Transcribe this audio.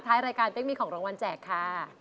ท้ายรายการเป๊กมีของรางวัลแจกค่ะ